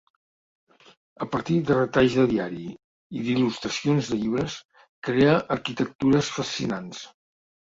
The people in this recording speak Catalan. A partir de retalls de diari i d’il·lustracions de llibres, crea arquitectures fascinants.